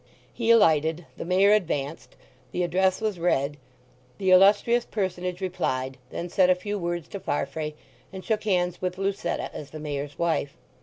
He alighted, the Mayor advanced, the address was read; the Illustrious Personage replied, then said a few words to Farfrae, and shook hands with Lucetta as the Mayor's wife.